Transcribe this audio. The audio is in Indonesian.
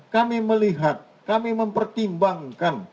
kami melihat kami mempertimbang